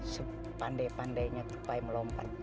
supandai pandainya tupai melompat